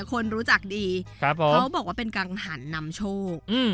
คนรู้จักดีเขาบอกว่าเป็นกังหันนำโชค